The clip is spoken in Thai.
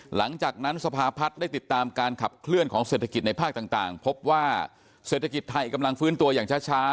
หลังจากนั้นสภาพัฒน์ได้ติดตามการขับเคลื่อนของเศรษฐกิจในภาคต่างพบว่าเศรษฐกิจไทยกำลังฟื้นตัวอย่างช้า